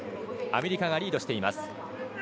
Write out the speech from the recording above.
アメリカがリードしています。